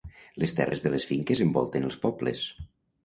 Les terres de les finques envolten els pobles.